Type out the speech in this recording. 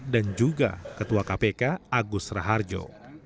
dan juga ketua kpk agus raharjo